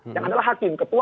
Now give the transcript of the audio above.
yang adalah hakim